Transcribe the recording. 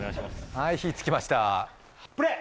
はい火つきましたプレ？